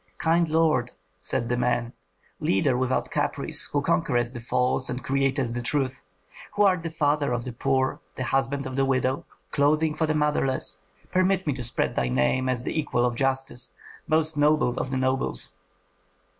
"Kind lord," said the man, "leader without caprice, who conquerest the false and createst the true, who art the father of the poor, the husband of the widow, clothing for the motherless, permit me to spread thy name as the equal of justice, most noble of the nobles."